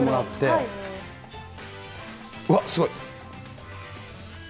わっ、すごい。